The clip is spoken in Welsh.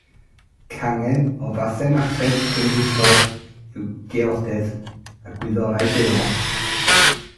Cangen o fathemateg gymhwysol yw geodedd a gwyddorau daear.